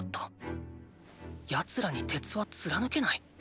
奴らに鉄は貫けない？